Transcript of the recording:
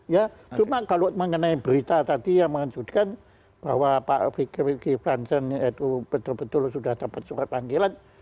ya cuma kalau mengenai berita tadi yang menunjukkan bahwa pak fikriki fransen itu betul betul sudah dapat surat panggilan